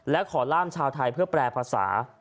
และขอล่ามชาวไทยเพื่อแปลภาษา